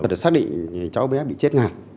thật là xác định cháu bé bị chết ngạt